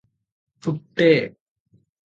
పుట్టె